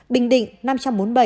bình định năm trăm bốn mươi bảy